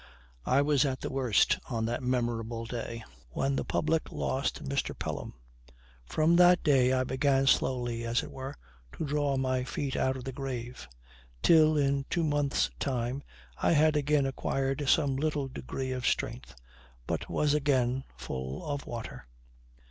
I was at the worst on that memorable day when the public lost Mr. Pelham. From that day I began slowly, as it were, to draw my feet out of the grave; till in two months' time I had again acquired some little degree of strength, but was again full of water.